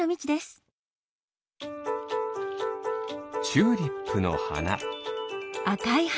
チューリップのはな。